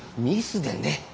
ミスでね。